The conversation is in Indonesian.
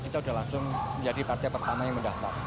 kita sudah langsung menjadi partai pertama yang mendaftar